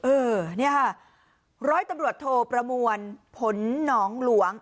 เออเนี่ยค่ะร้อยตำรวจโทประมวลผลหนองหลวง